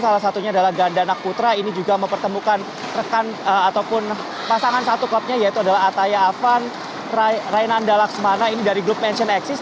salah satunya adalah gandana putra ini juga mempertemukan rekan ataupun pasangan satu klubnya yaitu adalah ataya afan rainanda laksmana ini dari grup mansion exis